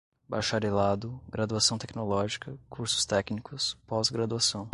bacharelado, graduação tecnológica, cursos técnicos, pós-graduação